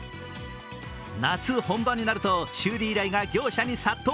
夏本番になると修理依頼が業者に殺到。